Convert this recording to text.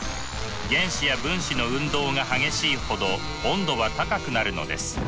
原子や分子の運動が激しいほど温度は高くなるのです。